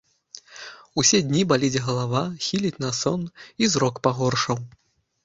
Усе дні баліць галава, хіліць на сон, і зрок пагоршаў.